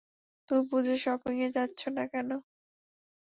তুমি পূজার সাথে শপিংয়ে যাচ্ছ না কেন?